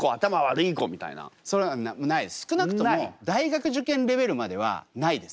少なくとも大学受験レベルまではないです。